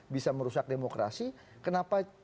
bisa merusak demokrasi kenapa